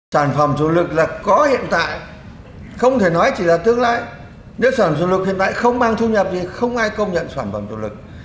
sản phẩm chủ lực là có hiện tại không thể nói chỉ là tương lai nếu sản chủ lực hiện tại không mang thu nhập thì không ai công nhận sản phẩm chủ lực